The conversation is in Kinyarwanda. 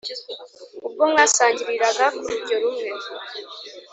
ubwo mwasangiriraga kurujyo rumwe